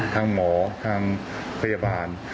ทางหมอทางพยาบาล